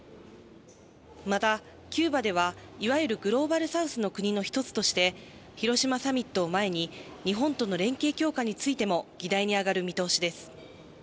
またキューバでは、いわゆるグローバルサウスの国の１つとして広島サミットを前に日本との連携強化についても議題に上がる見通しです。